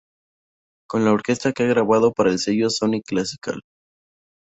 Con la orquesta ha grabado para el sello Sony Classical.